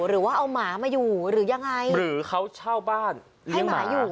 หรือว่าเอาหมามาอยู่หรือยังไงหรือเขาเช่าบ้านเลี้ยงหมาอยู่